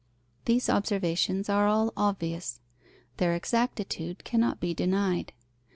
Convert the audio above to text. These observations are all obvious. Their exactitude cannot be denied.